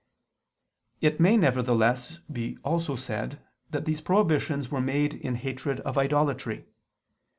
It may, nevertheless, be also said that these prohibitions were made in hatred of idolatry.